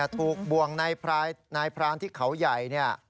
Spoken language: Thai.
ของผู้บ่งในพรานที่เขาใหญ่